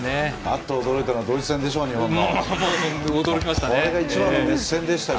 あっと驚いたのは日本のドイツ戦でしょ！